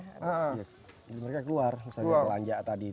mereka keluar misalnya belanja tadi